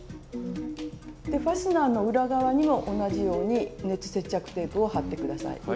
ファスナーの裏側にも同じように熱接着テープを貼って下さい。